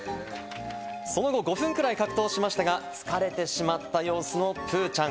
その後５分ぐらい格闘しましたが、疲れてしまった様子のぷーちゃん。